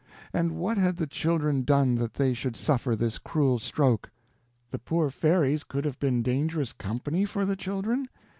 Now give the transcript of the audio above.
And what had the children done that they should suffer this cruel stroke? The poor fairies could have been dangerous company for the children?